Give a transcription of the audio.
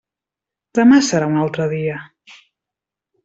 Demà serà un altre dia.